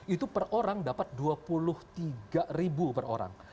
itu per orang dapat dua puluh tiga ribu per orang